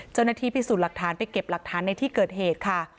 เจ้าหน้าที่พิสูจน์หลักฐานไปเก็บหลักฐานในที่เกิดเหตุค่ะ